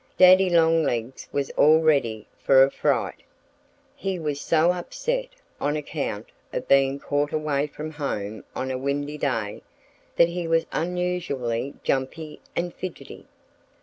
Daddy Longlegs was all ready for a fright. He was so upset, on account of being caught away from home on a windy day, that he was unusually jumpy and fidgety.